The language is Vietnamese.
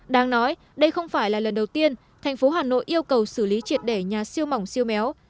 đáng nói đây không phải là lần đầu tiên thành phố hà nội yêu cầu xử lý triệt đẻ nhà siêu mỏng siêu méo